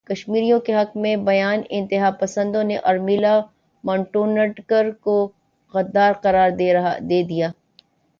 کشمیریوں کے حق میں بیان انتہا پسندوں نے ارمیلا ماٹونڈکر کو غدار قرار دے دیا